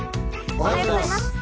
おはようございます。